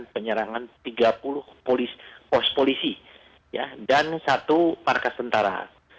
penyerangan tiga puluh pos polisi dan satu markas tentara